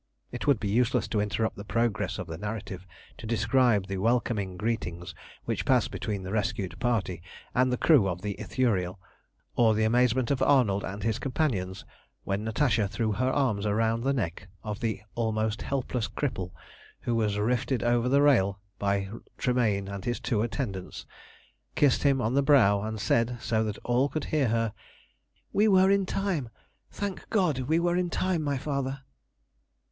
It would be useless to interrupt the progress of the narrative to describe the welcoming greetings which passed between the rescued party and the crew of the Ithuriel, or the amazement of Arnold and his companions when Natasha threw her arms round the neck of the almost helpless cripple, who was rifted over the rail by Tremayne and his two attendants, kissed him on the brow, and said so that all could hear her "We were in time! Thank God we were in time, my father!"